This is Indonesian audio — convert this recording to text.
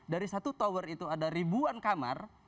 dari satu tower itu ada ribuan kamar